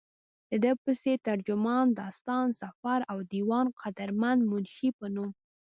ددې پسې، ترجمان، داستان سفر او ديوان قدرمند منشي پۀ نوم